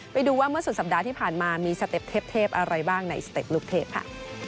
ไปดูว่าเมื่อสุดสัปดาห์ที่ผ่านมามีสเต็ปเทพอะไรบ้างในสเต็ปลูกเทพค่ะ